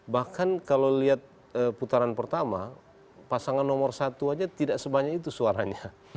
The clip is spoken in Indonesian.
bahkan kalau lihat putaran pertama pasangan nomor satu saja tidak sebanyak itu suaranya